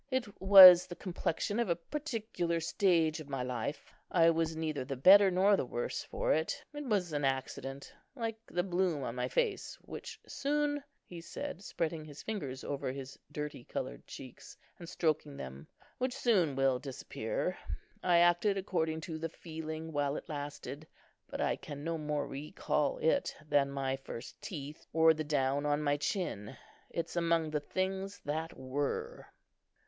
It was the complexion of a particular stage of my life. I was neither the better nor the worse for it. It was an accident, like the bloom on my face, which soon," he said, spreading his fingers over his dirty coloured cheeks, and stroking them, "which soon will disappear. I acted according to the feeling, while it lasted; but I can no more recall it than my first teeth, or the down on my chin. It's among the things that were."